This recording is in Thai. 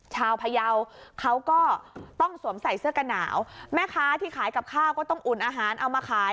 ชาวพยาวเขาก็ต้องสวมใส่เสื้อกันหนาวแม่ค้าที่ขายกับข้าวก็ต้องอุ่นอาหารเอามาขาย